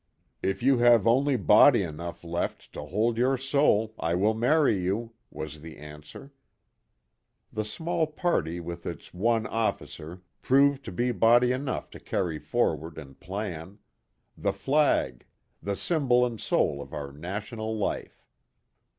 " If you have only body enough left to hold your soul I will marry you," was her answer. The small party with its one officer proved 2O KIT CARSON. to be body enough to carry forward and plant the flag the symbol and soul of our national life.